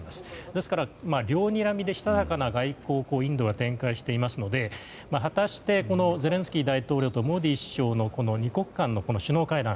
ですから、両にらみでしたたかな外交をインドは展開していますので果たしてゼレンスキー大統領とモディ首相の２国間の首脳会談